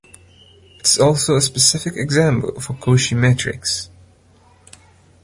It is also a specific example of a Cauchy Matrix.